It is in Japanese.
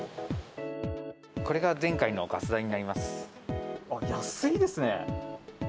これが前回のガス代になりまあっ、安いですね。